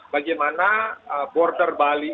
bagaimana border bali